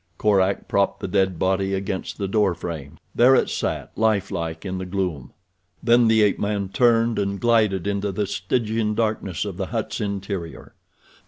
Korak propped the dead body against the door frame. There it sat, lifelike in the gloom. Then the ape man turned and glided into the Stygian darkness of the hut's interior.